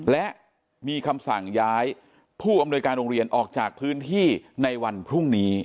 และมีคำสั่งย้ายผู้อำนวยการโรงเรียนออกจากพื้นที่ในวันพรุ่งนี้